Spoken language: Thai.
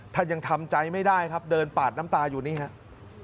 ท่านยังทำใจไม่ได้ครับเดินปาดน้ำตาอยู่นี่ครับ